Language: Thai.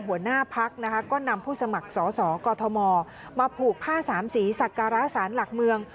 หัวหน้าพักนะคะก็นำผู้สมัครสอสอกอทมมาผูกผ้าสามสีสักการะสารหลักเมือง